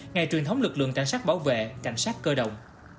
ngày truyền thống lực lượng cảnh sát bảo vệ cảnh sát cơ động